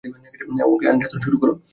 ওকে, Anderson, শুরু করো।